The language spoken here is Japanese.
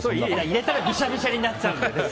入れたらぐしゃぐしゃになっちゃいます。